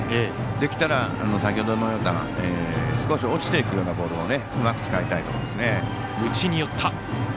できたら、先ほどのような少し落ちていくようなボールをうまく使いたいところですね。